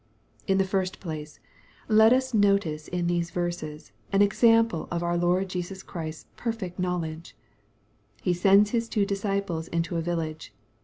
In the first place, let us notice in these verses an example of our Lord Jesus Christ's perfect knowledge. He sends His two disciples into a village.